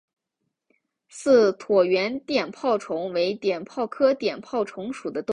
似椭圆碘泡虫为碘泡科碘泡虫属的动物。